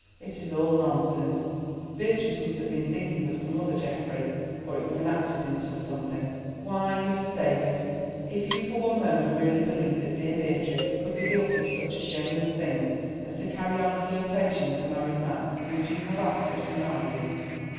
It is all nonsense. Beatrice must have been thinking of some other Geoffrey—or it was an accident or something. Why, Mr. Davies, if you for one moment really believed that dear Beatrice could be guilty of such a shameless thing as to carry on a flirtation with a married man, would you have asked her to marry you?